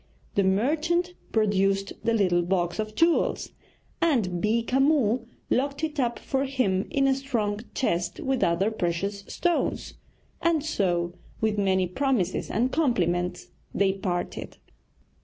The merchant produced the little box of jewels, and Beeka Mull locked it up for him in a strong chest with other precious stones; and so, with many promises and compliments, they parted.